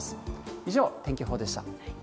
以上、天気予報でした。